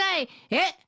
えっ？